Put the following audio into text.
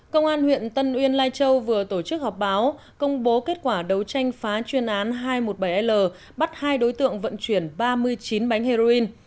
công an huyện tân uyên lai châu vừa tổ chức họp báo công bố kết quả đấu tranh phá chuyên án hai trăm một mươi bảy l bắt hai đối tượng vận chuyển ba mươi chín bánh heroin